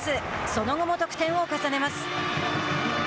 その後も得点を重ねます。